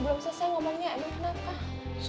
eh tadi belum selesai ngomongnya enggak kenapa